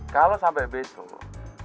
kalau sampai besok